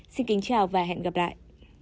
xin kính chào và hẹn gặp lại